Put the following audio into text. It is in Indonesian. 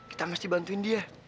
kita mesti bantuin dia